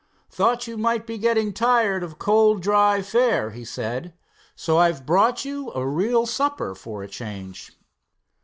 "Thought you might be getting tired of cold dry fare," he said, "so I've brought you a real supper for a change."